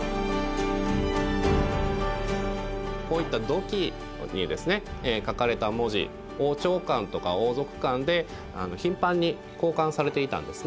こういった土器にですね書かれた文字王朝間とか王族間で頻繁に交換されていたんですね。